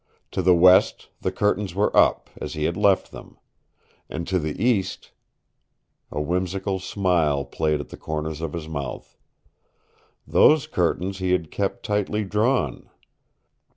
To the west the curtains were up, as he had left them. And to the east A whimsical smile played at the corners of his mouth. Those curtains he had kept tightly drawn.